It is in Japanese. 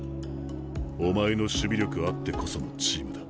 お前の守備力あってこそのチームだ。